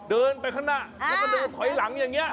เดินไปข้างหน้าแล้วก็เดินถอยหลังอย่างนี้